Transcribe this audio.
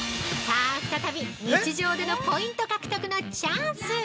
◆さあ、再び日常でのポイント獲得のチャンス！